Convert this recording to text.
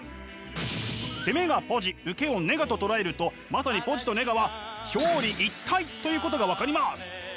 攻めがポジ受けをネガと捉えるとまさにポジとネガは表裏一体ということが分かります！